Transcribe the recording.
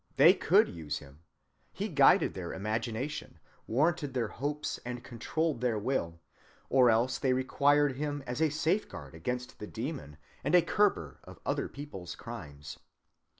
They could use him. He guided their imagination, warranted their hopes, and controlled their will,—or else they required him as a safeguard against the demon and a curber of other people's crimes.